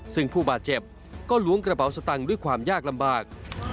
ซึ่งผู้บาดเจ็บก็ล้วงกระเป๋าสตังค์ด้วยความยากลำบาก